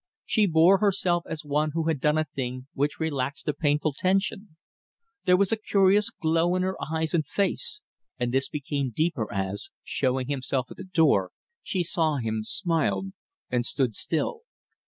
She bore herself as one who had done a thing which relaxed a painful tension. There was a curious glow in her eyes and face, and this became deeper as, showing himself at the door, she saw him, smiled, and stood still.